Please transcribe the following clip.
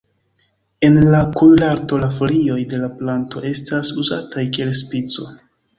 En la kuirarto la folioj de la planto estas uzataj kiel spico.